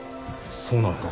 ・そうなのか？